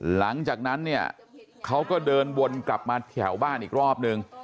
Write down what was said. หลังจากนั้นเนี่ยเขาก็เดินวนกลับมาแถวบ้านอีกรอบนึง